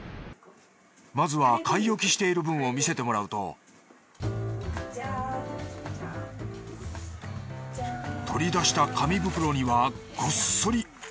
まずは買い置きしている分を見せてもらうと取り出した紙袋にはごっそり。